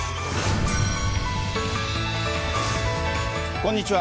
こんにちは。